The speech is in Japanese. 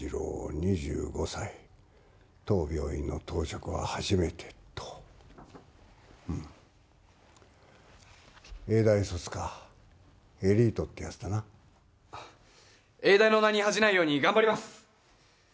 ２５歳当病院の当直は初めて永大卒かエリートってやつだな永大の名に恥じないようにがんばります